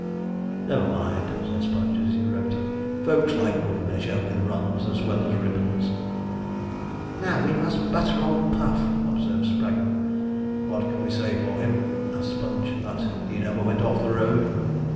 'Never mind,' said Sponge, as he wrote it; 'folks like good measure with runs as well as ribbons.' 'Now we must butter old Puff,' observed Spraggon. 'What can we say for him?' asked Sponge; 'that he never went off the road?'